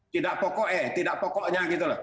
tidak pokok eh tidak pokoknya gitu loh